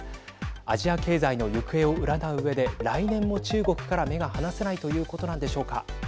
アジア経済の行方を占ううえで来年も中国から目が離せないということなんでしょうか。